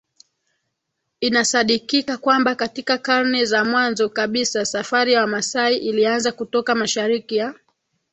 Inasadikika kwamba katika karne za mwanzo kabisa Safari ya Wamasai ilianza kutoka Mashariki ya